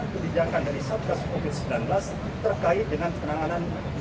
kebijakan dari satpol pp sembilan belas terkait dengan penanganan baliho